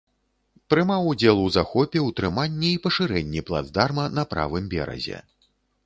Прымаў удзел у захопе, ўтрыманні і пашырэнні плацдарма на правым беразе.